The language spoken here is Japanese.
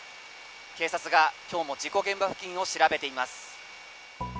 警察が今日も事故現場付近を調べています。